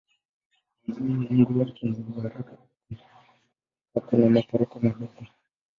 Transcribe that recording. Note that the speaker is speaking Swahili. Mwanzoni mwendo wake ni wa haraka kuna maporomoko madogo.